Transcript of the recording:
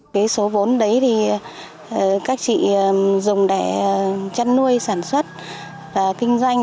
cái số vốn đấy thì các chị dùng để chăn nuôi sản xuất và kinh doanh